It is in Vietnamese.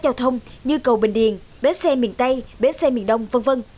giao thông như cầu bình điền bế xe miền tây bế xe miền đông v v